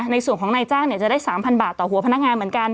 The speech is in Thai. ในส่วนของนายจ้างจะได้๓๐๐บาทต่อหัวพนักงานเหมือนกัน